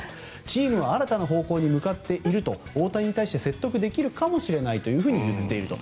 チームは新たな方向に向かっていると大谷に対して説得できるかもしれないと言っていると。